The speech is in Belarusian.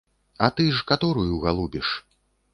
А ты ж каторую галубіш?